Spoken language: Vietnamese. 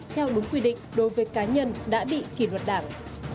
theo đúng quy định đối với cá nhân đã bị kỷ luật đảng